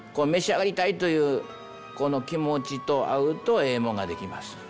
召し上がりたいというこの気持ちと合うとええもんが出来ます。